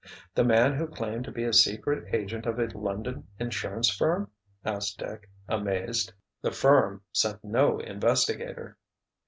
"The man who claimed to be a secret agent of a London insurance firm?" asked Dick, amazed. "The firm sent no investigator!"